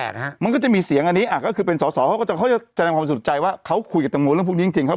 มันก็จะมีเสียงอันนี้อ่ะก็คือเป็นสอสอเขาก็จะเขาจะแสดงความสุดใจว่าเขาคุยกับตังโมเรื่องพวกนี้จริงครับ